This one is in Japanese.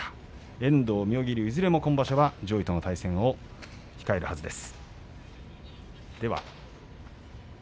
遠藤、妙義龍、いずれも今場所は上位との対戦を控えるはずです。